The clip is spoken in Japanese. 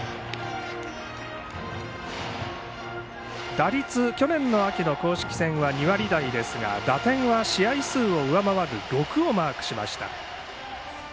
打率は去年の秋の公式戦は２割台ですが打点は試合数を上回る６をマークしました。